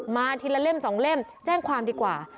ทีละเล่ม๒เล่มแจ้งความดีกว่า